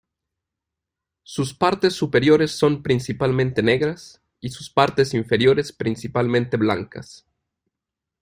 Sus partes superiores son principalmente negras y sus partes inferiores principalmente blancas.